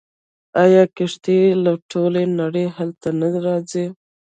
آیا کښتۍ له ټولې نړۍ هلته نه راځي؟